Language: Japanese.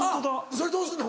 それどうすんの？